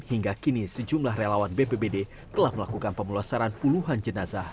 hingga kini sejumlah relawan bpbd telah melakukan pemulasaran puluhan jenazah